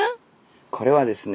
これはですね